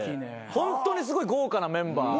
ホントにすごい豪華なメンバー。